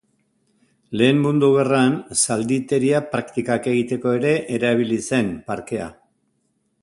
Lehen Mundu Gerran zalditeria praktikak egiteko ere erabili zen parkea.